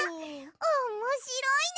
おもしろいね！